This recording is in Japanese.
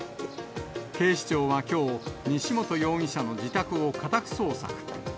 警視庁はきょう、西本容疑者の自宅を家宅捜索。